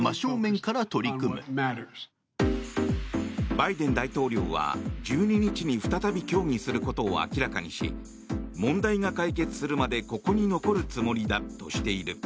バイデン大統領は１２日に再び協議することを明らかにし問題が解決するまでここに残るつもりだとしている。